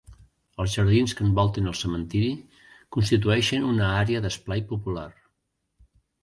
Els jardins que envolten el cementiri constitueixen una àrea d'esplai popular.